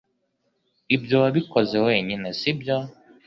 Ibyo wabikoze wenyine, sibyo?